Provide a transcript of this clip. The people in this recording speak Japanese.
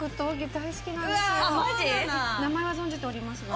名前は存じておりますが。